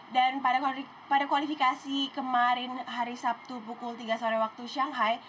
dan pada kualifikasi kemarin hari sabtu pukul tiga sore waktu shanghai